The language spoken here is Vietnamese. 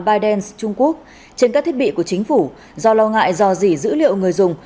bidens trung quốc trên các thiết bị của chính phủ do lo ngại do dỉ dữ liệu người dùng